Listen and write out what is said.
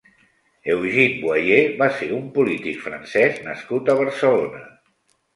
Eugène Boyer va ser un polític francès nascut a Barcelona.